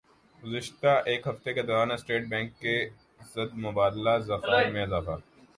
گزشتہ ایک ہفتہ کے دوران اسٹیٹ بینک کے زرمبادلہ ذخائر میں اضافہ